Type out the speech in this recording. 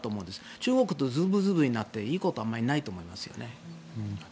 中国とずぶずぶになっていいことはあまりないと思いますね。